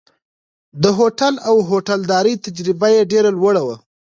د هوټل او هوټلدارۍ تجربه یې ډېره لوړه وه.